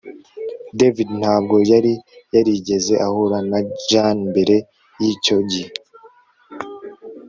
David ntabwo yari yarigeze ahura na Jane mbere yicyo gihe